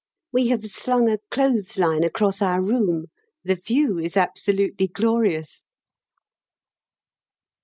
We have slung a clothes line across our room. The view is absolutely glorious.